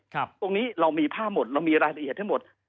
ตรงนี้เรามีภาพหมดเรามีรายละเอียดทั้งหมด